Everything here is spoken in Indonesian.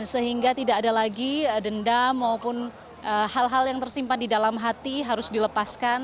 sehingga tidak ada lagi dendam maupun hal hal yang tersimpan di dalam hati harus dilepaskan